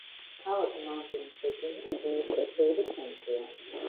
ქალაქი მანზინის რეგიონის ადმინისტრაციული ცენტრია.